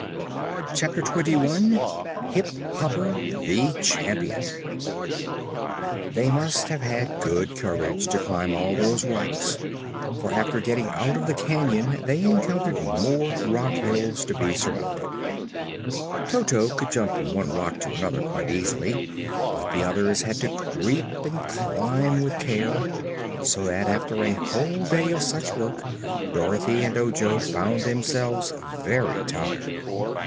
Chapter Twenty One Hip Hopper the Champion They must have had good courage to climb all those rocks, for after getting out of the canyon they encountered more rock hills to be surmounted. Toto could jump from one rock to another quite easily, but the others had to creep and climb with care, so that after a whole day of such work Dorothy and Ojo found themselves very tired.